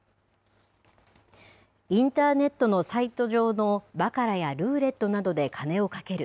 インターネットのサイト上のバカラやルーレットなどで金を賭ける